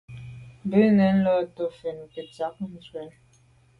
Bɑ̀ búnə́ lá tɔ̌ fɛ̀n ngə ndzɑ̂k ncwɛ́n.